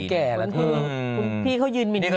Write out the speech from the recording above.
มันต้องเป็นคนแก่แล้ว